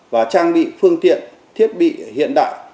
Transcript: và trang bị phương tiện thiết bị hiện đại